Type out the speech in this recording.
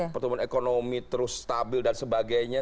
pertumbuhan ekonomi terus stabil dan sebagainya